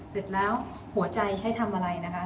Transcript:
เสร็จแล้วหัวใจใช้ทำอะไรนะคะ